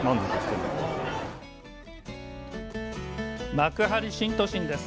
幕張新都心です。